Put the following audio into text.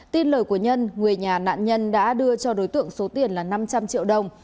tin lời của nhân người nhà nạn nhân đã đưa cho đối tượng số tiền là năm trăm linh triệu đồng